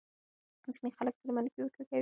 ځینې خلک تل منفي فکر کوي.